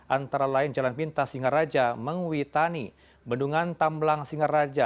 antara lain jalan pintas singaraja mengwitani bendungan tamblang singaraja